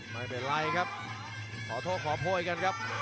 ไม่เป็นไรนะครับขอโทษของพ่วยนั่งครับ